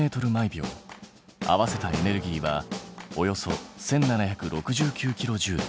合わせたエネルギーはおよそ１，７６９キロジュール。